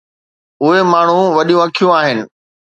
اهي ماڻهو وڏيون اکيون آهن